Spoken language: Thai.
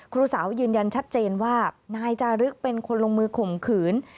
ครูสาวยืนยันชัดเจนว่านายจารึกเป็นคนลงมือข่มขืน